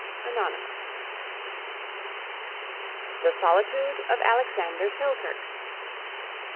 ANONYMOUS. THE SOLITUDE OF ALEXANDER SELKIRK.